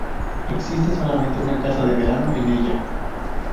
Existe solamente una casa de veraneo en ella.